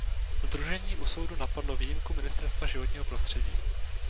Sdružení u soudu napadlo výjimku Ministerstva životního prostředí.